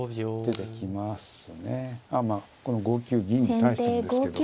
この５九銀に対してもですけど。